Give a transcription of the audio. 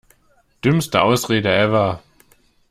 Dümmste Ausrede ever!